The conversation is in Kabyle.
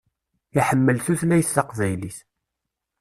Iḥemmel tutlayt taqbaylit.